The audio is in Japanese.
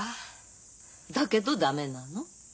だけど駄目なの？